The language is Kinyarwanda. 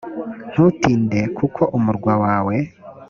ntutinde g kuko umurwa wawe